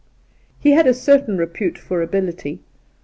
He had a certain repute for ability.